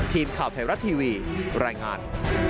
ทีมข่าวไทยรัฐทีวีรายงาน